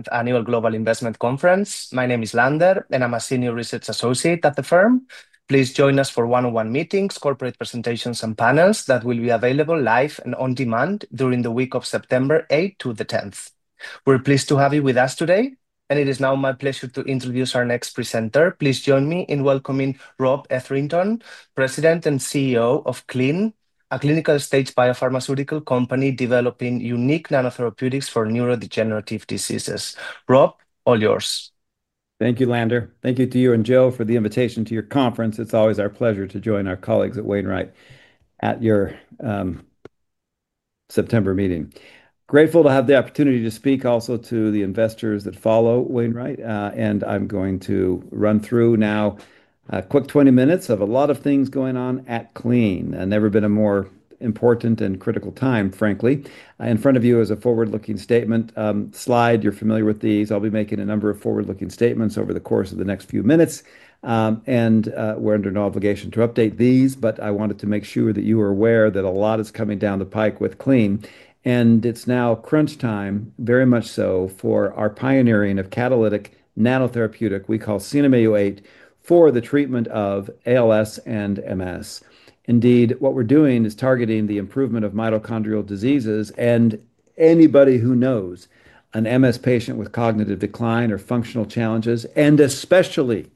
At the annual Global Investment Conference, my name is Lander, and I'm a Senior Research Associate at the firm. Please join us for one-on-one meetings, corporate presentations, and panels that will be available live and on demand during the week of September 8th to the 10th. We're pleased to have you with us today, and it is now my pleasure to introduce our next presenter. Please join me in welcoming Rob Etherington, President and CEO of Clene Inc., a clinical-stage biopharmaceutical company developing unique nanotherapeutics for neurodegenerative diseases. Rob, all yours. Thank you, Lander. Thank you to you and Joe for the invitation to your conference. It's always our pleasure to join our colleagues at H.C. Wainwright at your September meeting. Grateful to have the opportunity to speak also to the investors that follow H.C. Wainwright, and I'm going to run through now a quick 20 minutes of a lot of things going on at Clene. Never been a more important and critical time, frankly. In front of you is a forward-looking statement slide. You're familiar with these. I'll be making a number of forward-looking statements over the course of the next few minutes, and we're under no obligation to update these, but I wanted to make sure that you were aware that a lot is coming down the pike with Clene, and it's now crunch time, very much so, for our pioneering of catalytic nanotherapeutic we call CNM-Au8 for the treatment of ALS and MS. Indeed, what we're doing is targeting the improvement of mitochondrial diseases, and anybody who knows an MS patient with cognitive decline or functional challenges, and especially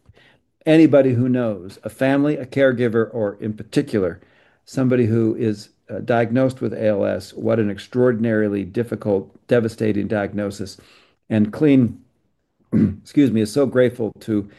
anybody who knows a family, a caregiver, or in particular, somebody who is diagnosed with ALS, what an extraordinarily difficult, devastating diagnosis. Clene is so grateful to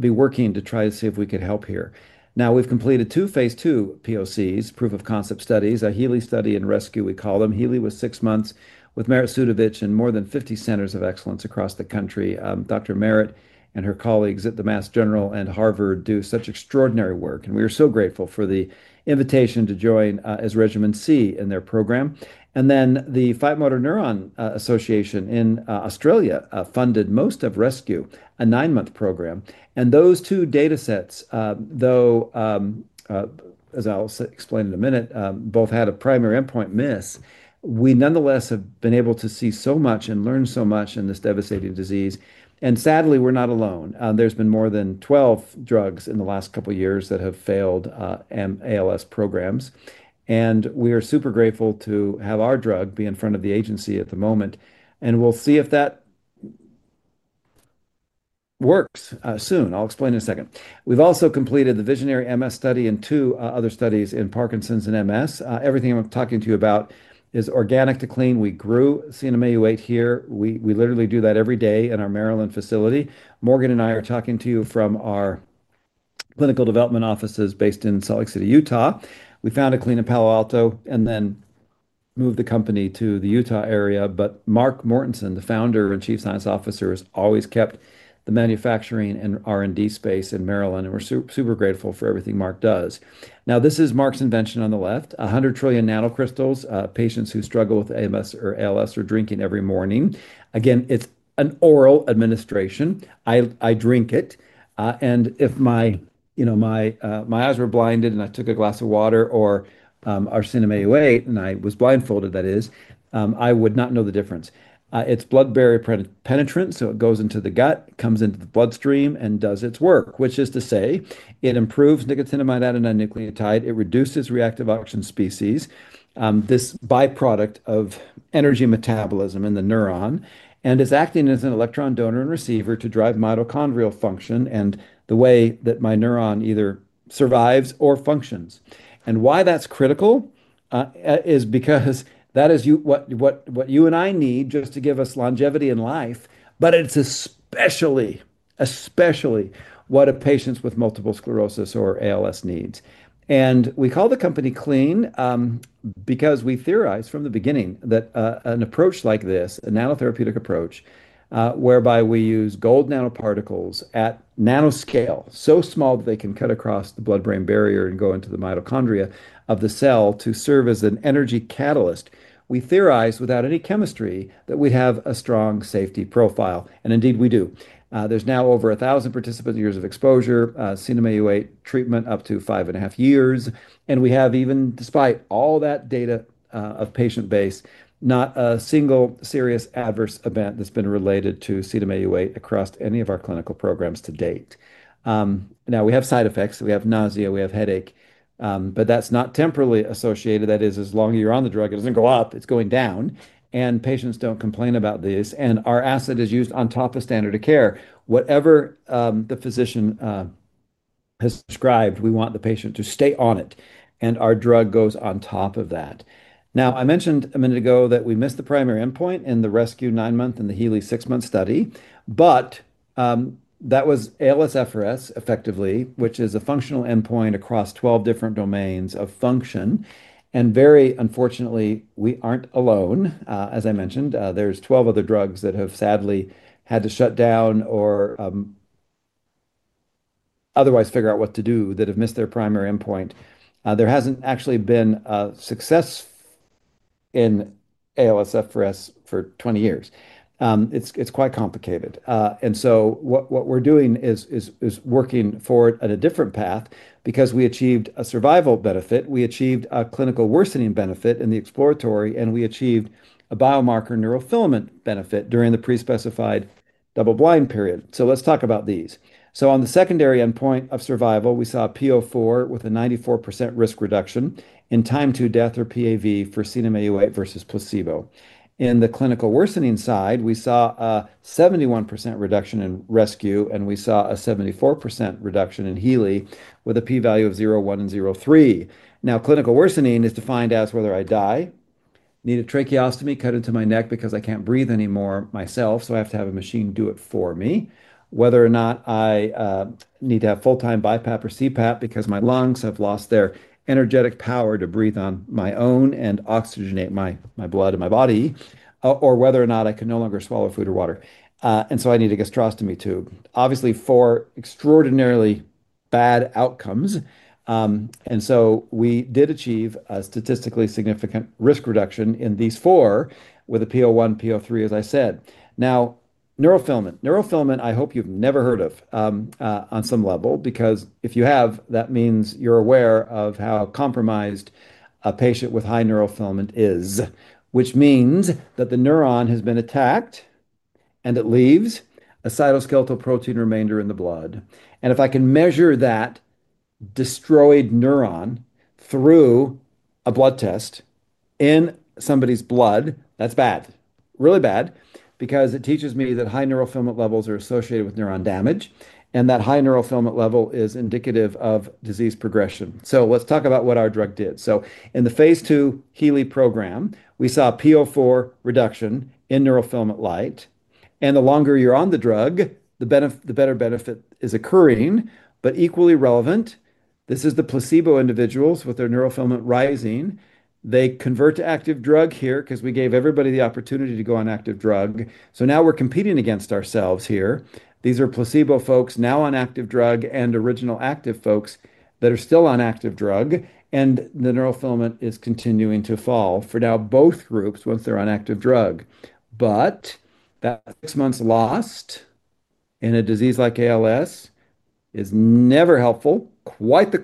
be working to try to see if we could help here. Now, we've completed two phase II POCs, proof of concept studies, a HEALEY study and RESCUE, we call them. HEALEY was six months with Merit Sudovich in more than 50 centers of excellence across the country. Dr. Merit and her colleagues at the Mass General and Harvard do such extraordinary work, and we are so grateful for the invitation to join as Regimen C in their program. The Fight Motor Neuron Association in Australia funded most of RESCUE, a nine-month program. Those two data sets, though, as I'll explain in a minute, both had a primary endpoint miss. We nonetheless have been able to see so much and learn so much in this devastating disease, and sadly, we're not alone. There's been more than 12 drugs in the last couple of years that have failed ALS programs, and we are super grateful to have our drug be in front of the agency at the moment, and we'll see if that works soon. I'll explain in a second. We've also completed the VISIONARY-MS study and two other studies in Parkinson's and MS. Everything I'm talking to you about is organic to Clene. We grew CNM-Au8 here. We literally do that every day in our Maryland facility. Morgan and I are talking to you from our clinical development offices based in Salt Lake City, Utah. We founded Clene in Palo Alto and then moved the company to the Utah area, but Mark Mortensen, the Founder and Chief Science Officer, has always kept the manufacturing and R&D space in Maryland, and we're super grateful for everything Mark does. This is Mark's invention on the left, 100 trillion nanocrystals. Patients who struggle with ALS are drinking every morning. It's an oral administration. I drink it, and if my eyes were blinded and I took a glass of water or our CNM-Au8, and I was blindfolded, that is, I would not know the difference. It's blood-brain penetrant, so it goes into the gut, comes into the bloodstream, and does its work, which is to say it improves nicotinamide adenine nucleotide. It reduces reactive oxygen species, this byproduct of energy metabolism in the neuron, and is acting as an electron donor and receiver to drive mitochondrial function and the way that my neuron either survives or functions. Why that's critical is because that is what you and I need just to give us longevity in life, but it's especially what a patient with multiple sclerosis or ALS needs. We call the company Clene because we theorized from the beginning that an approach like this, a nanotherapeutic approach, whereby we use gold nanoparticles at nanoscale, so small that they can cut across the blood-brain barrier and go into the mitochondria of the cell to serve as an energy catalyst. We theorized, without any chemistry, that we'd have a strong safety profile, and indeed we do. There's now over 1,000 participant-years of exposure, CNM-Au8 treatment up to five and a half years, and we have, even despite all that data of patient base, not a single serious adverse event that's been related to CNM-Au8 across any of our clinical programs to date. We have side effects. We have nausea. We have headache, but that's not temporally associated. That is, as long as you're on the drug, it doesn't go up. It's going down, and patients don't complain about this, and our asset is used on top of standard of care. Whatever the physician has prescribed, we want the patient to stay on it, and our drug goes on top of that. Now, I mentioned a minute ago that we missed the primary endpoint in the RESCUE-ALS nine-month and the HEALEY ALS Platform Trial six-month study, but that was ALS-FRS effectively, which is a functional endpoint across 12 different domains of function. Very unfortunately, we aren't alone. As I mentioned, there's 12 other drugs that have sadly had to shut down or otherwise figure out what to do that have missed their primary endpoint. There hasn't actually been success in ALS-FRS for 20 years. It's quite complicated. What we're doing is working for it at a different path because we achieved a survival benefit. We achieved a clinical worsening benefit in the exploratory, and we achieved a biomarker neural filament benefit during the pre-specified double-blind period. Let's talk about these. On the secondary endpoint of survival, we saw p = 0.4 with a 94% risk reduction in time to death or PAV for CNM-Au8 versus placebo. In the clinical worsening side, we saw a 71% reduction in RESCUE-ALS, and we saw a 74% reduction in HEALEY ALS Platform Trial with a p-value of 0.1 and 0.3. Clinical worsening is defined as whether I die, need a tracheostomy cut into my neck because I can't breathe anymore myself, so I have to have a machine do it for me, whether or not I need to have full-time BiPAP or CPAP because my lungs have lost their energetic power to breathe on my own and oxygenate my blood and my body, or whether or not I can no longer swallow food or water, and so I need a gastrostomy tube. Obviously, four extraordinarily bad outcomes, and we did achieve a statistically significant risk reduction in these four with a p = 0.1 and p = 0.3, as I said. Now, neural filament. Neural filament, I hope you've never heard of on some level because if you have, that means you're aware of how compromised a patient with high neural filament is, which means that the neuron has been attacked, and it leaves a cytoskeletal protein remainder in the blood. If I can measure that destroyed neuron through a blood test in somebody's blood, that's bad, really bad, because it teaches me that high neural filament levels are associated with neuron damage and that high neural filament level is indicative of disease progression. Let's talk about what our drug did. In the phase II HEALEY ALS Platform Trial program, we saw p = 0.4 reduction in neural filament light, and the longer you're on the drug, the better benefit is occurring. Equally relevant, this is the placebo individuals with their neural filament rising. They convert to active drug here because we gave everybody the opportunity to go on active drug. Now we're competing against ourselves here. These are placebo folks now on active drug and original active folks that are still on active drug, and the neural filament is continuing to fall for now both groups once they're on active drug. That six months lost in a disease like amyotrophic lateral sclerosis, ALS is never helpful, quite the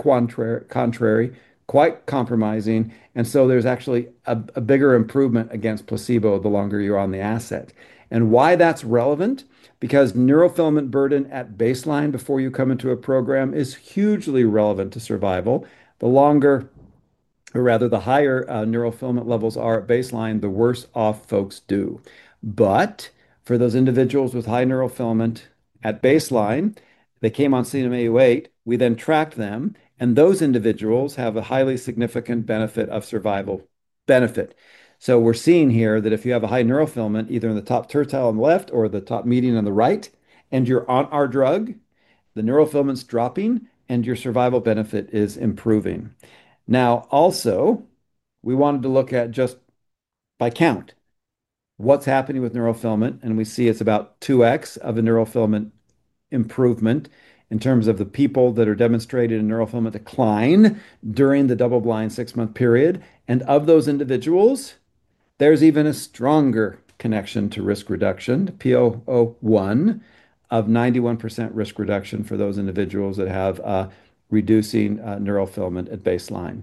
contrary, quite compromising. There's actually a bigger improvement against placebo the longer you're on the asset. Why that's relevant? Because neural filament burden at baseline before you come into a program is hugely relevant to survival. The longer, or rather the higher neural filament levels are at baseline, the worse off folks do. For those individuals with high neural filament at baseline, they came on CNM-Au8. We then tracked them, and those individuals have a highly significant benefit of survival benefit. We're seeing here that if you have a high neural filament either in the top tertile on the left or the top median on the right, and you're on our drug, the neural filament's dropping, and your survival benefit is improving. Now, also, we wanted to look at just by count what's happening with neural filament, and we see it's about 2x of the neural filament improvement in terms of the people that are demonstrated in neural filament decline during the double-blind six-month period. Of those individuals, there's even a stronger connection to risk reduction, p =0.01, of 91% risk reduction for those individuals that have a reducing neural filament at baseline.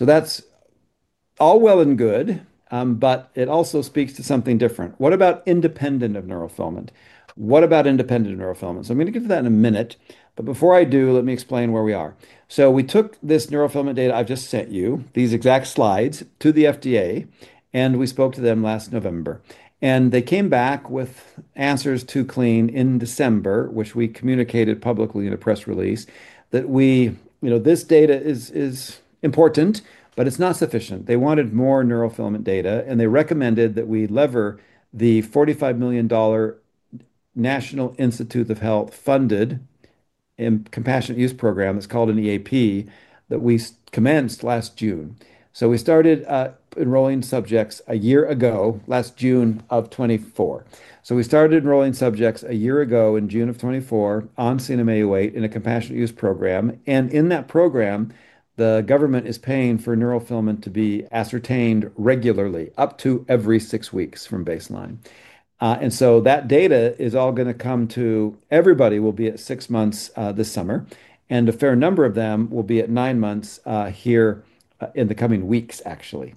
That's all well and good, but it also speaks to something different. What about independent of neural filament? What about independent of neural filament? I'm going to get to that in a minute, but before I do, let me explain where we are. We took this neural filament data I've just sent you, these exact slides, to the FDA, and we spoke to them last November. They came back with answers to Clene in December, which we communicated publicly in a press release that we, you know, this data is important, but it's not sufficient. They wanted more neural filament data, and they recommended that we lever the $45 million National Institutes of Health-funded Compassionate Use Program, it's called an Expanded Access Program, that we commenced last June. We started enrolling subjects a year ago, last June of 2024. We started enrolling subjects a year ago in June of 2023 on CNM-Au8 in a Compassionate Use Program. In that program, the government is paying for neural filament to be ascertained regularly, up to every six weeks from baseline. That data is all going to come to everybody; it will be at six months this summer, and a fair number of them will be at nine months here in the coming weeks, actually.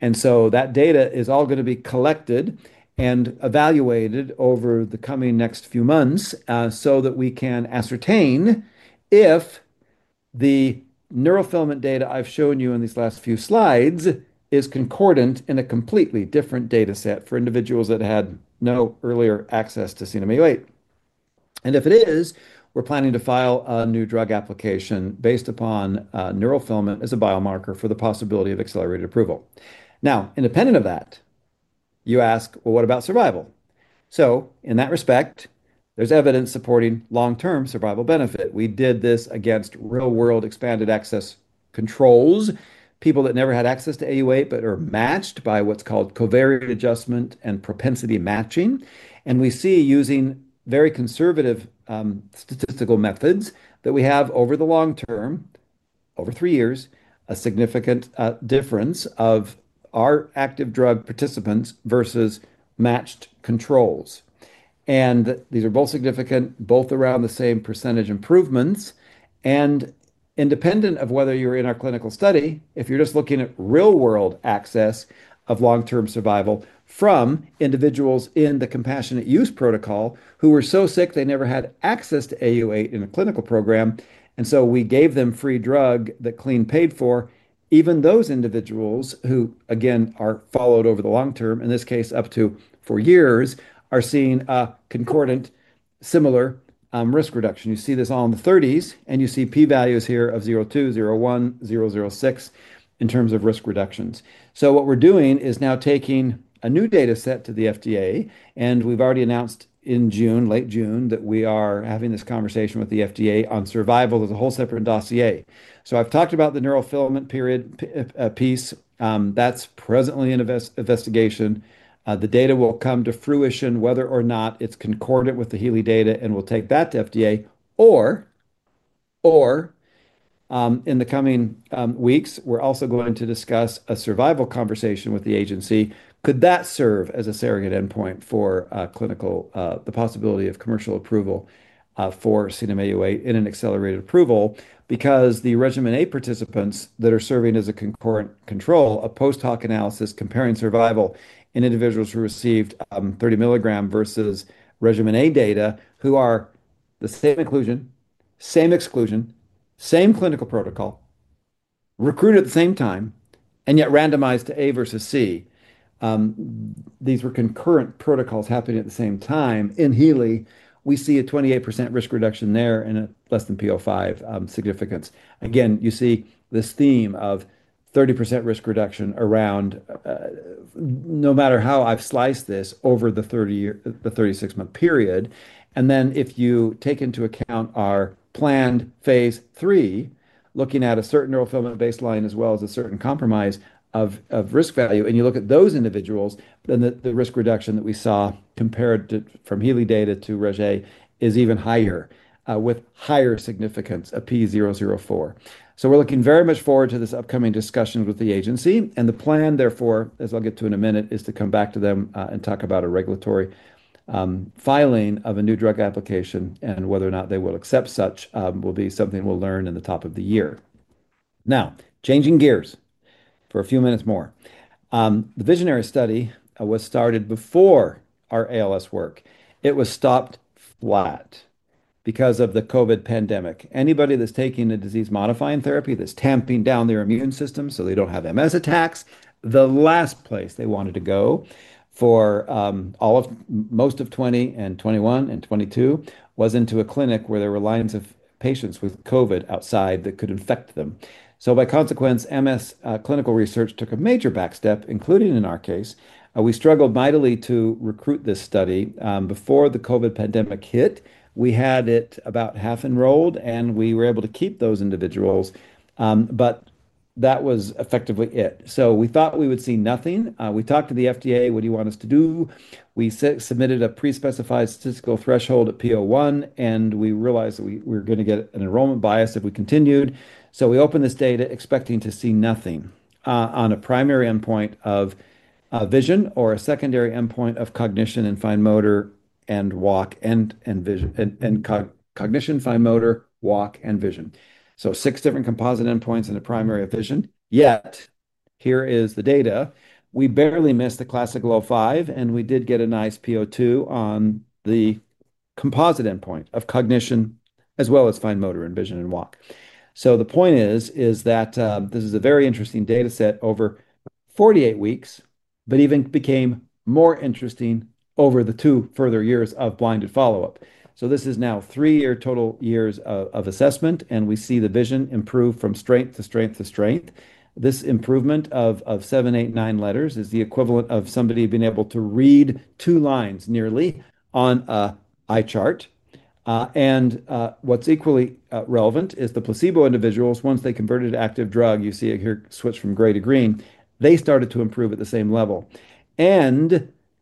That data is all going to be collected and evaluated over the coming next few months so that we can ascertain if the neural filament data I've shown you in these last few slides is concordant in a completely different data set for individuals that had no earlier access to CNM-Au8. If it is, we're planning to file a New Drug Application based upon neural filament as a biomarker for the possibility of accelerated approval. Independent of that, you ask, what about survival? In that respect, there's evidence supporting long-term survival benefit. We did this against real-world Expanded Access Program controls, people that never had access to Au8 but are matched by what's called covariate adjustment and propensity matching. We see, using very conservative statistical methods, that we have over the long term, over three years, a significant difference of our active drug participants versus matched controls. These are both significant, both around the same percentage i mprovements. Independent of whether you're in our clinical study, if you're just looking at real-world access of long-term survival from individuals in the Compassionate Use Protocol who were so sick they never had access to Au8 in a clinical program, and we gave them free drug that Clene paid for, even those individuals who, again, are followed over the long term, in this case up to four years, are seeing a concordant similar risk reduction. You see this all in the 30% range, and you see p-values here of 0.2, 0.1, 0.6 in terms of risk reductions. What we're doing is now taking a new data set to the FDA, and we've already announced in June, late June, that we are having this conversation with the FDA on survival as a whole separate dossier. I've talked about the neural filament period piece. That's presently in investigation. The data will come to fruition whether or not it's concordant with the HEALEY ALS Platform Trial data, and we'll take that to FDA. In the coming weeks, we're also going to discuss a survival conversation with the agency. Could that serve as a surrogate endpoint for clinical, the possibility of commercial approval for CNM-Au8 in an accelerated approval? Because the Regimen A participants that are serving as a concurrent control of post-hoc analysis comparing survival in individuals who received 30mg versus Regimen A data who are the same inclusion, same exclusion, same clinical protocol, recruited at the same time, and yet randomized to A versus C. These were concurrent protocols happening at the same time. In HEALEY, we see a 28% risk reduction there and a less than p = 0.05 significance. Again, you see this theme of 30% risk reduction around no matter how I've sliced this over the 36-month period. If you take into account our planned phase III, looking at a certain neural filament baseline as well as a certain compromise of risk value, and you look at those individuals, then the risk reduction that we saw compared from HEALEY data to regimen is even higher with higher significance of p = 0.4 We're looking very much forward to this upcoming discussion with the agency, and the plan therefore, as I'll get to in a minute, is to come back to them and talk about a regulatory filing of a New Drug Application and whether or not they will accept such will be something we'll learn in the top of the year. Now, changing gears for a few minutes more. The VISIONARY-MS trial was started before our ALS work. It was stopped flat because of the COVID pandemic. Anybody that's taking a disease-modifying therapy that's tamping down their immune system so they don't have MS attacks, the last place they wanted to go for most of 2020 and 2021 and 2022 was into a clinic where there were lines of patients with COVID outside that could infect them. By consequence, MS clinical research took a major back step, including in our case. We struggled mightily to recruit this study before the COVID pandemic hit. We had it about half enrolled, and we were able to keep those individuals, but that was effectively it. We thought we would see nothing. We talked to the FDA, "What do you want us to do?" We submitted a pre-specified statistical threshold at p = 0.01, and we realized that we were going to get an enrollment bias if we continued. We opened this data expecting to see nothing on a primary endpoint of vision or a secondary endpoint of cognition and fine motor and walk, and cognition, fine motor, walk, and vision. Six different composite endpoints and a primary of vision. Yet here is the data. We barely missed the classic low five, and we did get a nice PO2 on the composite endpoint of cognition as well as fine motor and vision and walk. The point is that this is a very interesting data set over 48 weeks, but it even became more interesting over the two further years of blinded follow-up. This is now three total years of assessment, and we see the vision improve from strength to strength to strength. This improvement of seven, eight, nine letters is the equivalent of somebody being able to read two lines nearly on an eye chart. What's equally relevant is the placebo individuals, once they converted to active drug, you see it here switch from gray to green, they started to improve at the same level.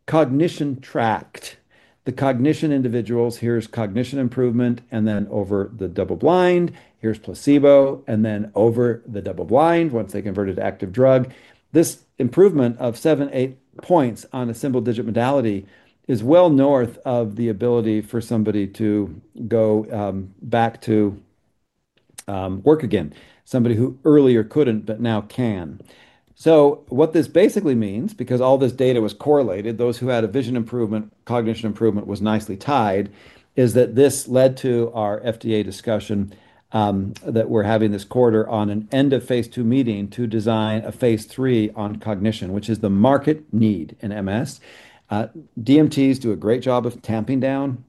Cognition tracked. The cognition individuals, here's cognition improvement, and then over the double blind, here's placebo, and then over the double blind, once they converted to active drug, this improvement of seven, eight points on a single-digit modality is well north of the ability for somebody to go back to work again, somebody who earlier couldn't but now can. What this basically means, because all this data was correlated, those who had a vision improvement, cognition improvement was nicely tied, is that this led to our FDA discussion that we're having this quarter on an end of phase II meeting to design a phase III on cognition, which is the market need in MS. DMTs do a great job of tamping down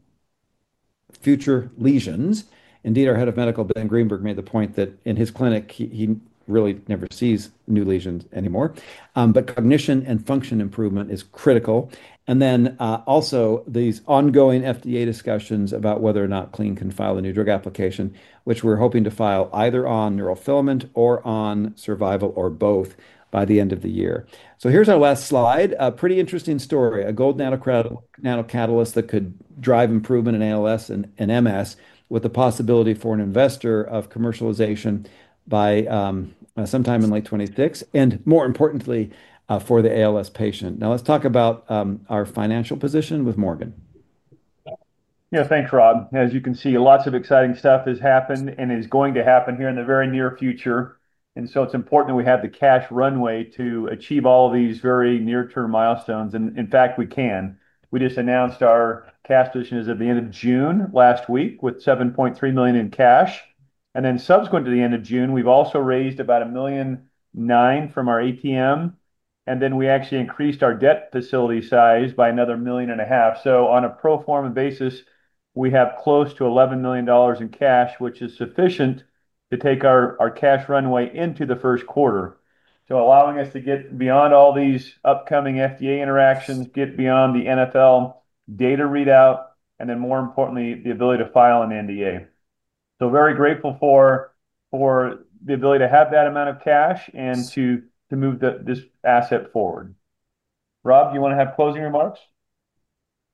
future lesions. Indeed, our Head of Medical, Ben Greenberg, made the point that in his clinic, he really never sees new lesions anymore. Cognition and function improvement is critical. There are also these ongoing FDA discussions about whether or not Clene can file a New Drug Application, which we're hoping to file either on neural filament or on survival or both by the end of the year. Here's our last slide. A pretty interesting story, a gold nanocatalyst that could drive improvement in ALS and MS with the possibility for an investor of commercialization by sometime in late 2026, and more importantly, for the ALS patient. Now let's talk about our financial position with Morgan. Yeah, thanks, Rob. As you can see, lots of exciting stuff has happened and is going to happen here in the very near future. It is important that we have the cash runway to achieve all these very near-term milestones. In fact, we can. We just announced our cash position as at the end of June last week with $7.3 million in cash. Subsequent to the end of June, we've also raised about $1.9 million from our ATM, and we actually increased our debt facility size by another $1.5 million. On a pro forma basis, we have close to $11 million in cash, which is sufficient to take our cash runway into the first quarter. This allows us to get beyond all these upcoming FDA interactions, get beyond the NFL data readout, and more importantly, the ability to file an NDA. Very grateful for the ability to have that amount of cash and to move this asset forward. Rob, do you want to have closing remarks?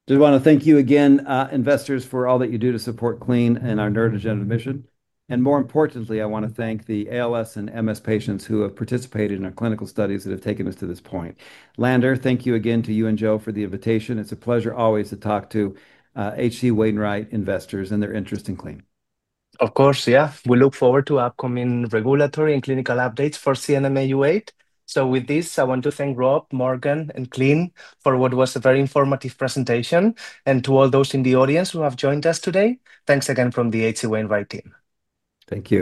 I just want to thank you again, investors, for all that you do to support Clene and our neurodegenerative mission. More importantly, I want to thank the ALS and MS patients who have participated in our clinical studies that have taken us to this point. Lander, thank you again to you and Joe for the invitation. It's a pleasure always to talk to H.C. Wainwright investors and their interest in Clene. Of course, yeah. We look forward to upcoming regulatory and clinical updates for CNM-Au8. With this, I want to thank Rob, Morgan, and Clene for what was a very informative presentation. To all those in the audience who have joined us today, thanks again from the H.C. Wainwright team. Thank you.